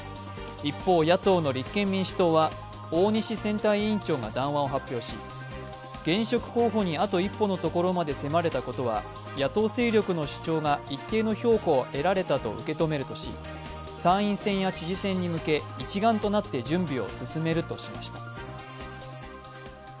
一方、野党の立憲民主党は大西選対委員長が談話を発表し現職候補にあと一歩のところまで迫れたことは野党勢力の主張が一定の評価を得られたと受け止められるとし参院選や知事選に向け一丸となって準備を進めるとしました。